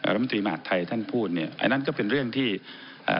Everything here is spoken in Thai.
รัฐมนตรีมหาดไทยท่านพูดเนี่ยอันนั้นก็เป็นเรื่องที่เอ่อ